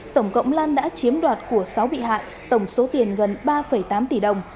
tổng cộng lan đã chiếm đoạt của sáu bị hại tổng số tiền gần ba tám tỷ đồng